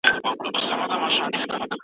دا بوڼکه ما نسوه راخستای .